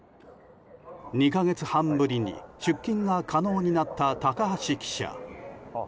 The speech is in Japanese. ２か月半ぶりに出勤が可能になった高橋記者。